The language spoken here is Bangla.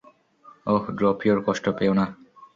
ওহ, ড্রপিয়র, কষ্ট পেয়ো না।